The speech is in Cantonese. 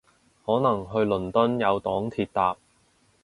可能去倫敦有黨鐵搭